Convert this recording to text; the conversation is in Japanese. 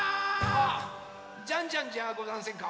あジャンジャンじゃござんせんか？